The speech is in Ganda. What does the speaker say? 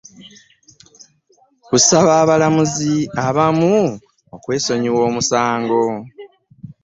Kusaba abalamuzi abamu okwesonyiwa omusango